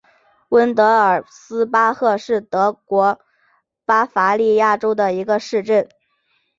温德尔斯巴赫是德国巴伐利亚州的一个市镇。